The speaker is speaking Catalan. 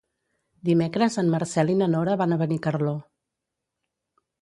Dimecres en Marcel i na Nora van a Benicarló.